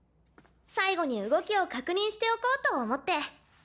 最後に動きを確認しておこうと思って。